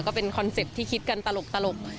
ก็เป็นคอนเซ็ปต์ที่คิดกันตลก